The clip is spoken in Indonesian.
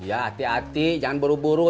ya hati hati jangan buru buru